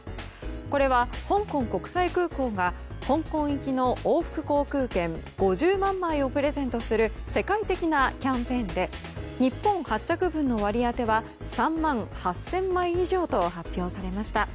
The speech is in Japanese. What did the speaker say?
これは、香港国際空港が香港行きの往復航空券５０万枚をプレゼントする世界的なキャンペーンで日本発着分の割り当ては３万８０００枚以上と発表されました。